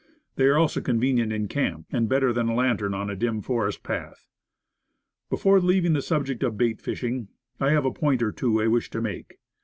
They are also convenient in camp, and better than a lantern on a dim forest path. Before leaving the subject of bait fishing, I have a point or two I wish to make.